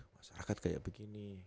masyarakat kayak begini